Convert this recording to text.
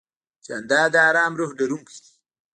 جانداد د ارام روح لرونکی دی.